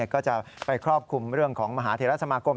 ก็จะไปครอบคลุมเรื่องของมหาเทราสมาคม